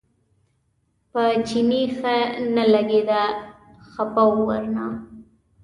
په چیني ښه نه لګېده خپه و ورنه.